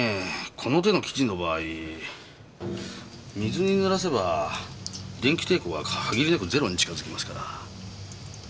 この手の生地の場合水に濡らせば電気抵抗は限りなくゼロに近づきますから。